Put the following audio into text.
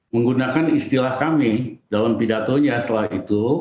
menggunakan istilah kami dalam pidatonya setelah itu